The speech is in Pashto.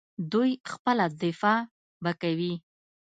دوی خپله دفاع به کوي.